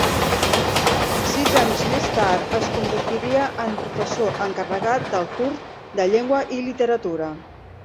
Sis anys més tard es convertiria en professor encarregat del curs de Llengua i Literatura.